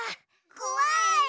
こわい！